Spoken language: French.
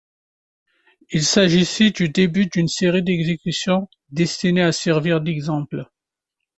Il s'agissait du début d'une série d'exécutions destinée à servir d'exemple.